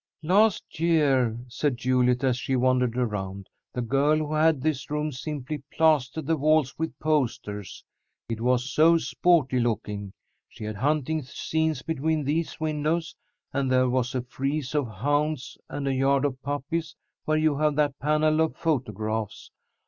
"Last year," said Juliet, as she wandered around, "the girl who had this room simply plastered the walls with posters. It was so sporty looking. She had hunting scenes between these windows, and there was a frieze of hounds and a yard of puppies where you have that panel of photographs.